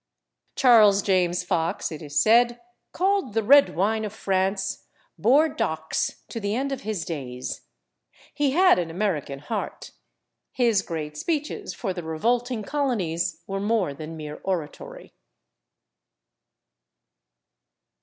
Charles James Fox, it is said, called the red wine of France /Bordox/ to the end of his days. He had an American heart; his great speeches for the revolting colonies were more than mere oratory.